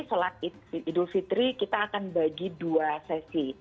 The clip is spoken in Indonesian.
selat idul fitri kita akan bagi dua sesi